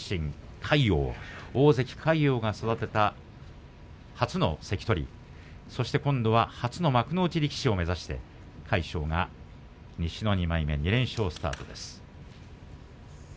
魁皇大関魁皇が育てた初の関取今度は初の幕内力士を目指して魁勝が西の２枚目２連勝スタートです。